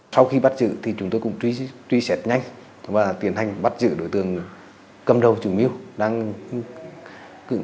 sau khi bắt giữ thì chúng tôi cũng truy xét nhanh và tiến hành bắt giữ đối tượng cầm đầu chủ mưu đang